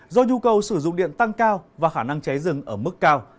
do nhu cầu sử dụng điện tăng cao và khả năng cháy rừng ở mức cao